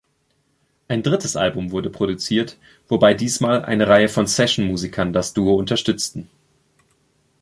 Ein drittes Album wurde produziert, wobei diesmal eine Reihe von Sessionmusikern das Duo unterstützten.